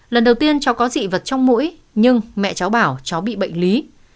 lần đầu tiên cháu có dị vật trong mũi nhưng mẹ cháu bảo cháu bị bệnh lý